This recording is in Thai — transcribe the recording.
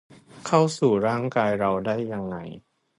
เข้าสู่ร่างกายเราได้ยังไง